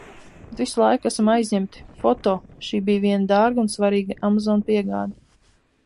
Bet visu laiku esam aizņemti. Foto. Šī bija viena dārga un svarīga Amazon piegāde.